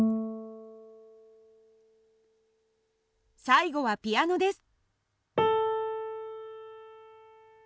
最後はピアノです。